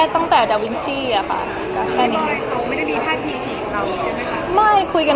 มีโอกาศเจอกันแบบนั้นไหม